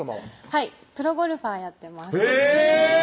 はいプロゴルファーやってますえぇ！